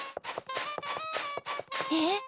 えっ？